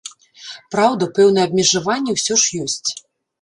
Праўда, пэўныя абмежаванні ўсё ж ёсць.